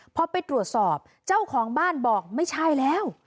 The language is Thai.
พอไปตรวจสอบเจ้าของบ้านบอกไม่ใช่แล้ว